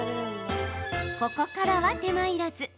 ここからは手間いらず。